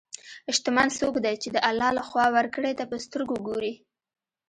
شتمن څوک دی چې د الله له خوا ورکړې ته په سترګو ګوري.